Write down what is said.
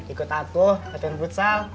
ikut aku latihan futsal